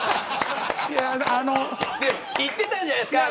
行ってたんじゃないですか。